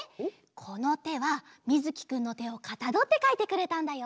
このてはみずきくんのてをかたどってかいてくれたんだよ。